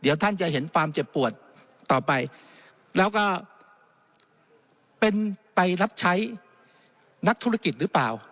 เดี๋ยวท่านจะเห็นความเจ็บปวดต่อไปแล้วก็เป็นไปรับใช้นักธุรกิจหรือเปล่า